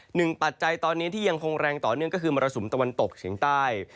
ปัจจัยตอนนี้ที่ยังคงแรงต่อเนื่องก็คือมรสุมตะวันตกเฉียงใต้